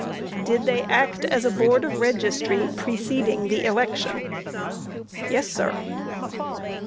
Q. Did they act as a Board of Registry preceding the election? A. Yes, sir.